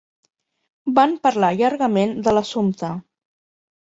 Van parlar llargament de l'assumpte.